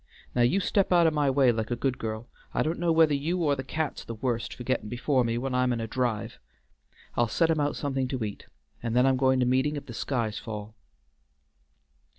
Now you step out o' my way like a good girl. I don't know whether you or the cat's the worst for gettin' before me when I'm in a drive. I'll set him out somethin' to eat, and then I'm goin' to meetin' if the skies fall."